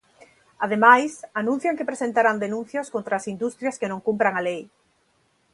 Ademais anuncian que presentarán denuncias contra as industrias que non cumpran a lei.